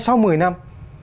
sau một mươi năm